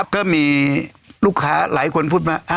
ก็มีลูกค้าหลายคนพูดมา